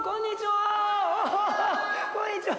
おこんにちは！